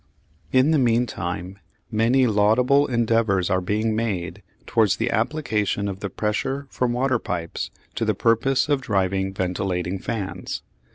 In the meantime many laudable endeavours are being made towards the application of the pressure from water pipes to the purpose of driving ventilating fans.